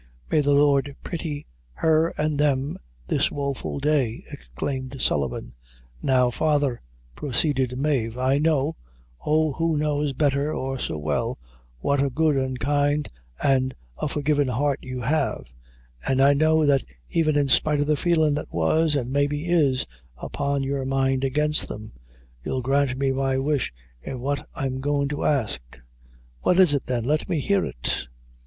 "May the Lord pity her an' them, this woeful day!" exclaimed Sullivan. "Now, father," proceeded Mave; "I know oh who knows better or so well what a good an' a kind an' a forgivin' heart you have; an' I know that even in spite of the feelin' that was, and maybe is, upon your mind against them, you'll grant me my wish in what I'm goin' to ask." "What is it then? let me hear it."